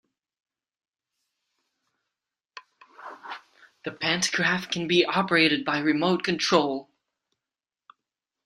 The pantograph can be operated by remote control.